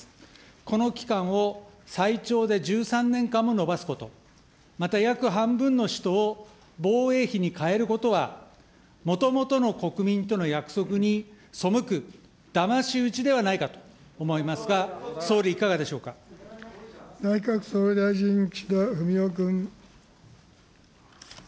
この期間を最長で１３年間も延ばすこと、また約半分の使途を防衛費に変えることは、もともとの国民との約束に背くだまし討ちではないかと思いますが、内閣総理大臣、岸田文雄君。